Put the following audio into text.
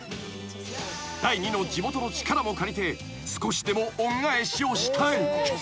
［第二の地元の力も借りて少しでも恩返しをしたい］